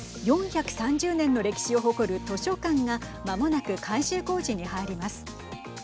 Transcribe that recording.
４３０年の歴史を誇る図書館がまもなく改修工事に入ります。